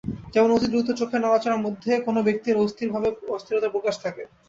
যেমন, অতি দ্রুত চোখের নড়াচড়ার মধ্যে কোনো ব্যক্তির অস্থিরতার প্রকাশ থাকে।